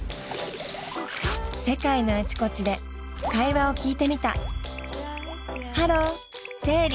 世界のあちこちで会話を聞いてみた。